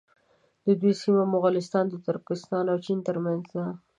د دوی سیمه مغولستان د ترکستان او چین تر منځ ده.